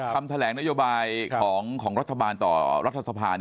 คำแถลงนโยบายของรัฐบาลต่อรัฐสภา